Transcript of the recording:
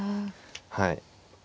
はい。